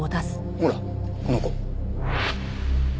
ほらこの子。